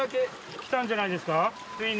来たんじゃないですかついに。